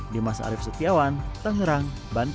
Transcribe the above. dimas arief setiawan tangerang banten